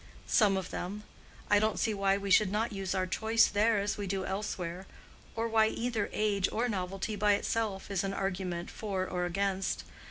"Some of them. I don't see why we should not use our choice there as we do elsewhere—or why either age or novelty by itself is an argument for or against.